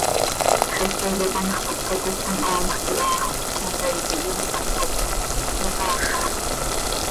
Xepe cop anxö cohptaticpan, hoomjc iha xo comcaii tiquij itaho, cöyataaxa.